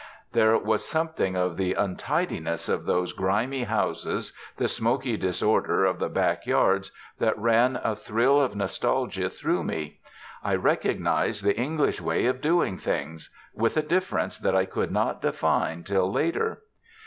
There was something in the untidiness of those grimy houses, the smoky disorder of the backyards, that ran a thrill of nostalgia through me. I recognised the English way of doing things with a difference that I could not define till later.